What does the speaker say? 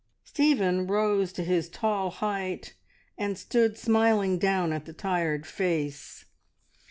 Stephen rose to his tall height and stood smiling down at the tired face.